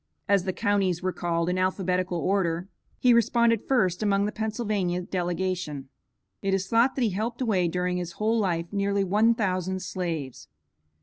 As the counties were called in alphabetical order, he responded first among the Pennsylvania delegation. It is thought that he helped away during his whole life, nearly one thousand slaves.